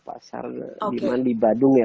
pasar di bandung ya